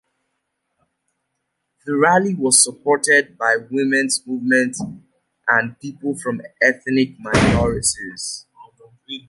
The rally was supported by the women's movement and people from ethnic minorities.